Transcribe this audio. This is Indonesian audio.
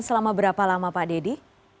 selama berapa lama pak dedy